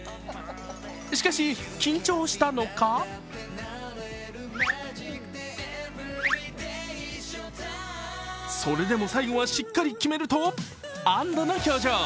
しかし、緊張したのかそれでも最後はしっかり決めると安どの表情。